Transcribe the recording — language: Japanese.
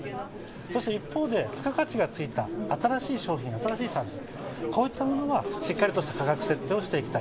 そして一方で、付加価値がついた新しい商品、新しいサービス、こういったものはしっかりとした価格設定をしていきたい。